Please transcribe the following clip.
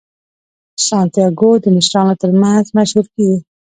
سانتیاګو د مشرانو ترمنځ مشهور کیږي.